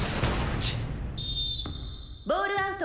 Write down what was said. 「ボールアウト」